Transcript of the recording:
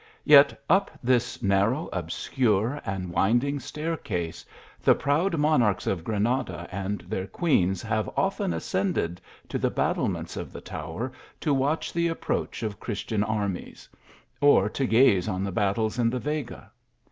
Yet, up this narrow, obscure and winding staircase, the proud monarchs of Granada and their queens have often ascended to the battlements of the tower to watch the approach of Christian armies; or to gaze on the battles in the Vega.